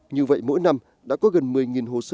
như vậy mỗi năm đã có gần một mươi hồ sơ liên lạc